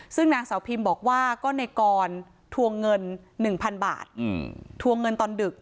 ซึ่งนางสาวพิมบอกว่าก็ในกรทวงเงิน๑๐๐๐บาททวงเงินตอนดึก